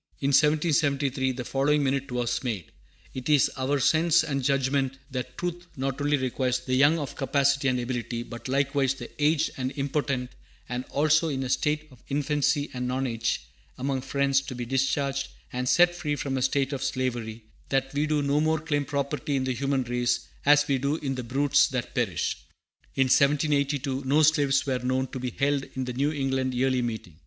In 1773 the following minute was made: "It is our sense and judgment that truth not only requires the young of capacity and ability, but likewise the aged and impotent, and also all in a state of infancy and nonage, among Friends, to be discharged and set free from a state of slavery, that we do no more claim property in the human race, as we do in the brutes that perish." In 1782 no slaves were known to be held in the New England Yearly Meeting.